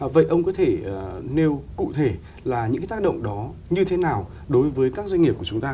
vậy ông có thể nêu cụ thể là những cái tác động đó như thế nào đối với các doanh nghiệp của chúng ta